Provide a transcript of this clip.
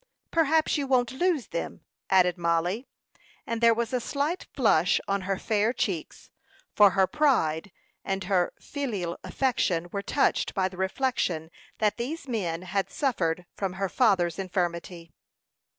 "Perhaps you won't lose them," added Mollie; and there was a slight flush on her fair cheeks, for her pride and her filial affection were touched by the reflection that these men had suffered from her father's infirmity.